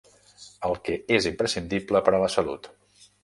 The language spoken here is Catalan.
El que és imprescindible per a la salut.